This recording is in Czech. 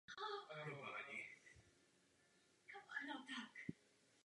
Za vlády Saddáma Husajna působil jako disident.